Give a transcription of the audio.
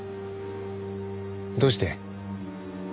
どうして？